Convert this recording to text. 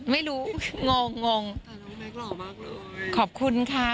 ไม่รู้งงน้องแม็กซ์หล่อมากเลย